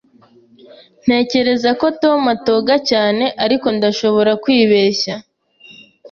Ntekereza ko Tom atoga cyane, ariko ndashobora kwibeshya.